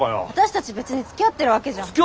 私たち別につきあってるわけじゃ。